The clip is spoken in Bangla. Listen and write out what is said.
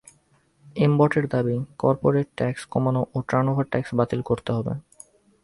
এমটবের দাবি, করপোরেট ট্যাক্স কমানো ও টার্নওভার ট্যাক্স বাতিল করতে হবে।